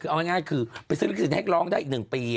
คือเอาง่ายคือไปซื้อลิขิตให้ร้องได้อีก๑ปี